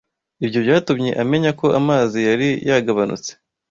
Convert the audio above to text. Ibyo byatumye amenya ko amazi yari yagabanutse